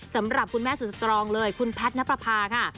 สำหรับคุณแม่สุดสตรองเลยคุณแพทย์นับประพาค่ะ